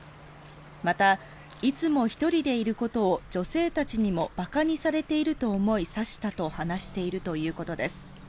また、いつも１人でいることを女性たちにも馬鹿にされていると思い刺したと話しているということです。